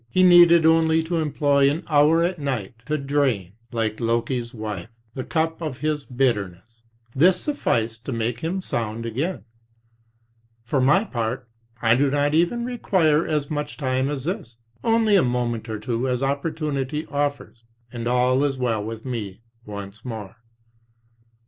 He needed only to employ an hour at night to drain, like Loki's wife, the cup of his bitterness; this sufficed to make him sound again. For my part, I do not even require as much time as this. Only a moment or two as opportunity offers, and all is well with me once more.